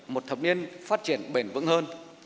một thập niên phát triển bền vững hơn